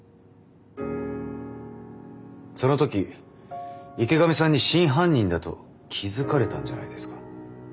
その時池上さんに真犯人だと気付かれたんじゃないですか？